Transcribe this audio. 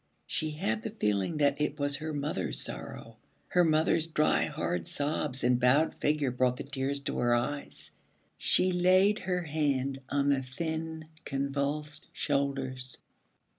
She had the feeling that it was her mother's sorrow. Her mother's dry, hard sobs and bowed figure brought the tears to her eyes. She laid her hand on the thin convulsed shoulders.